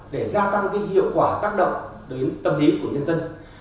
để gia tăng hiệu quả tác động đến tâm lý của nhân dân